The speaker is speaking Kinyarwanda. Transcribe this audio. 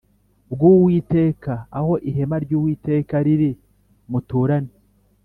bw Uwiteka aho ihema ry Uwiteka riri muturane